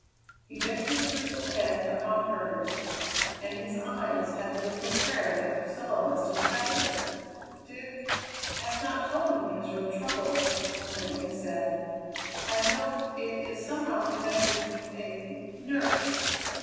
He bent his grizzled head upon hers and his eyes had the look of prayer that Priscilla once discovered. "Dick has not told me his real trouble," Helen faintly said. "I know it is somehow connected with a nurse."